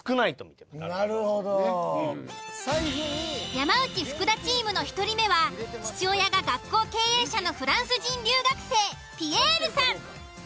山内・福田チームの１人目は父親が学校経営者のフランス人留学生ピエールさん。